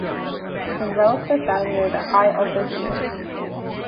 His relics are found near the high altar here.